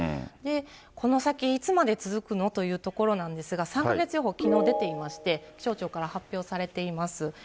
この先、いつまで続くのというところなんですが、３か月予報きのう出ていまして、気象庁から発表されています。